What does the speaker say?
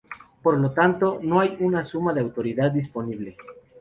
Por lo tanto, no hay una suma de autoridad disponible.